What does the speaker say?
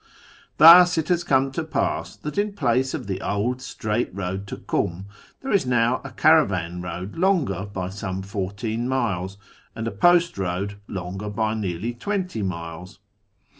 Thus it has come to pass that in place of the old straight road to Kum there is now a caravan road longer by some four teen miles, and a post road longer by nearly twenty railes.